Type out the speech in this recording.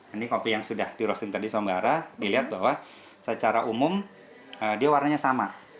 ini kopi yang sudah di roasting tadi sombara dilihat bahwa secara umum dia warnanya sama